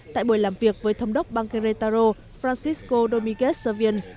tại buổi làm việc với thâm đốc bang querétaro francisco domínguez servien